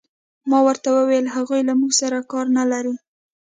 ما ورته وویل: هغوی له موږ سره کار نه لري.